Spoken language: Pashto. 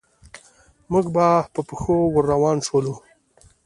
موږ په پښو ور روان شولو.